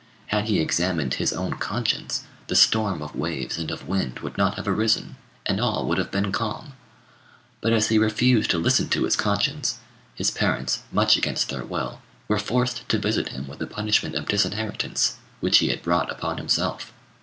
Had he examined his own conscience, the storm of waves and of wind would not have arisen, and all would have been calm. But as he refused to listen to his conscience, his parents, much against their will, were forced to visit him with the punishment of disinheritance, which he had brought upon himself.